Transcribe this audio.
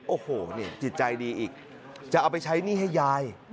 โอ้โหนี่จิตใจดีอีกจะเอาไปใช้หนี้ให้ยาย